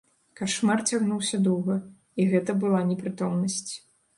Кашмар цягнуўся доўга, і гэта была непрытомнасць.